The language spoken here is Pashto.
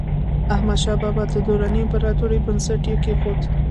احمدشاه بابا د دراني امپراتورۍ بنسټ یې کېښود.